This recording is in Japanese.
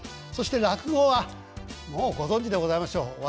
そして落語はもうご存じでございましょう。